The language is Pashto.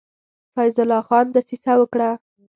فیض الله خان دسیسه وکړه.